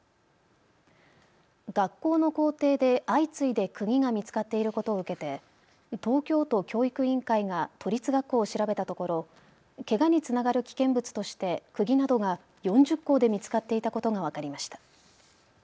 学校の校庭で相次いでくぎが見つかっていることを受けて東京都教育委員会が都立学校を調べたところ、けがにつながる危険物としてくぎなどが４０校で見つかっていたことが分かりました。